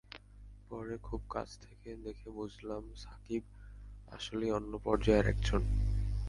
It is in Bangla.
পরে খুব কাছ থেকে দেখে বুঝলাম, সাকিব আসলেই অন্য পর্যায়ের একজন।